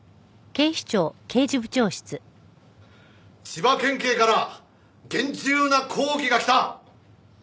千葉県警から厳重な抗議がきた。